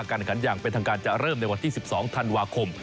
การแข่งขันอย่างเป็นทางการจะเริ่มในวันที่๑๒ธันวาคม